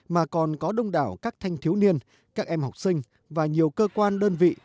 mà còn có đông đảo các thanh thiếu niên các em học sinh và nhiều cơ quan đơn vị